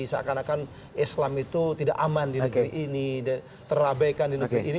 seakan akan islam itu tidak aman di negeri ini terabaikan di negeri ini